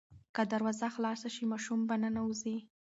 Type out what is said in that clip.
که دروازه خلاصه شي ماشوم به ننوځي.